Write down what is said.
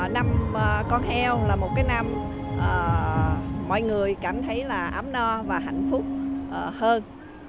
năm con heo là một cái năm mọi người cảm thấy là ấm no và hạnh phúc hơn